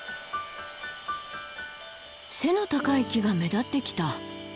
背の高い木が目立ってきた。